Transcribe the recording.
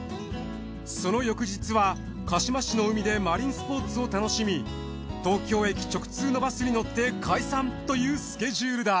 その翌日は鹿嶋市の海でマリンスポーツを楽しみ東京駅直通のバスに乗って解散というスケジュールだ。